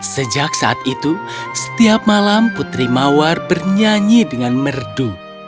sejak saat itu setiap malam putri mawar bernyanyi dengan merdu